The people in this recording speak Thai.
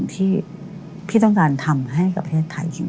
ที่ต้องการทำให้ประเทศไทยจริง